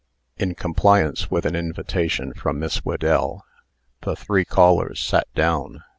In compliance with an invitation from Miss Whedell, the three callers sat down.